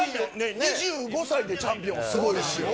２５歳でチャンピオン、すごいし。